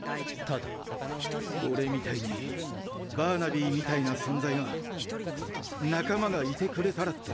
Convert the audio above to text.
俺みたいにバーナビーみたいな存在が仲間がいてくれたらって。